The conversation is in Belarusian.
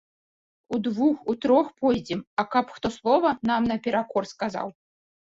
Удвух, утрох пойдзем, а каб хто слова нам наперакор сказаў.